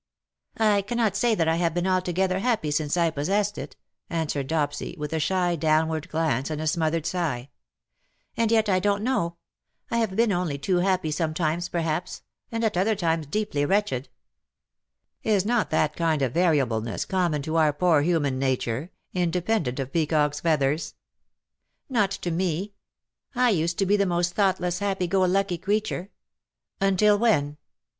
*' I cannot say that I have been altogether happy since I possessed it,'^ answered Dopsy, with a shy downward glance, and a smothered sigh ;'' and yet I don^t know — I have been only too happy sometimes, perhaps, and at other times deeply wretched/^ " Is not that kind of variableness common to our poor human nature — independent of peacocks' feathers ?"'^ Not to me. I used to be the most thought less happy go lucky creature .'''' Until when